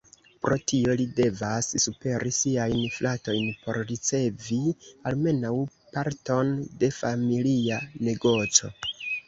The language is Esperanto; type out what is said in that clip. Pro tio li devas superi siajn fratojn por ricevi almenaŭ parton de familia negoco.